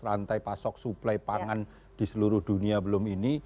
rantai pasok suplai pangan di seluruh dunia belum ini